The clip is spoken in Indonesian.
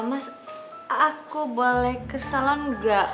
mas aku boleh ke salon gak